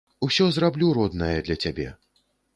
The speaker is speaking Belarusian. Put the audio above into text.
Усё зраблю, родная, для цябе.